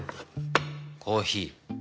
コーヒー。